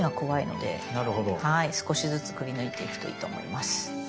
少しずつくりぬいていくといいと思います。